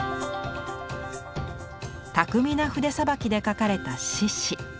巧みな筆さばきで描かれた獅子。